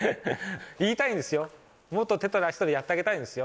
言いたいんですよ、もっと手取り足取りやってあげたいですよ。